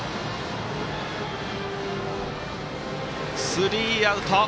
スリーアウト。